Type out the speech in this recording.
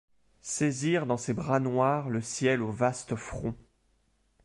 Saisir dans ses bras noirs le ciel au vaste front